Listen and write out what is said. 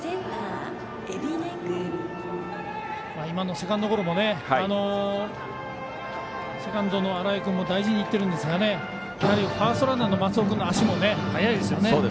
今のセカンドゴロもセカンドの荒江君も大事にいってるんですがやはりファーストランナーの松尾君の足も速いですよね。